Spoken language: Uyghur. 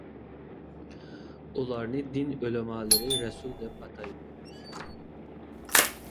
ئۇلارنى دىن ئۆلىمالىرى رەسۇل دەپ ئاتايدۇ.